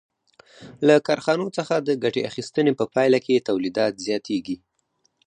له کارخانو څخه د ګټې اخیستنې په پایله کې تولیدات زیاتېږي